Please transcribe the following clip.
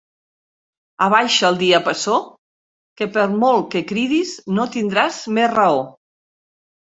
Abaixa el diapasó, que per molt que cridis no tindràs més raó.